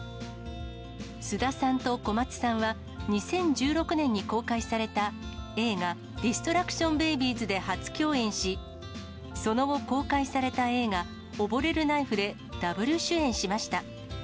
菅田さんと小松さんは、２０１６年に公開された映画、ディストラクション・ベイビーズで初共演し、その後公開された映画、溺れるナイフでダブル主演しました。